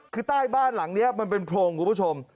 คือใต้บ้านหลังนี้มันเป็นโพรงคุณผู้ชม